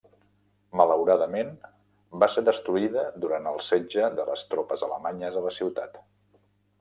Malauradament, va ser destruïda durant el setge de les tropes alemanyes a la ciutat.